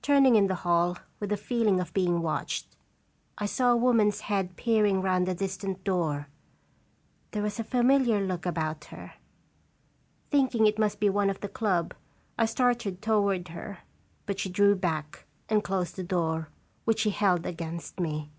Turning in the hall with the feeling of being watched, I saw a woman's head peering round a distant door. There was a familiar look about her. Thinking it must be one of the club, I started toward her, but she drew back and closed the door, which she held against me.